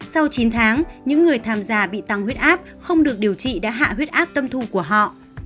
sau chín tháng những người tham gia bị tăng huyết áp không được điều trị đã hạ huyết áp tâm thu của họ